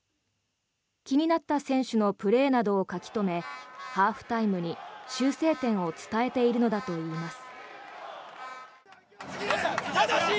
気になった選手のプレーなどを書き留めハーフタイムに修正点を伝えているのだといいます。